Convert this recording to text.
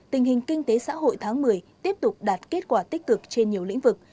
tình hình kinh tế xã hội tháng một mươi tiếp tục đạt kết quả tích cực trên nhiều lĩnh vực